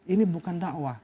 ini bukan da'wah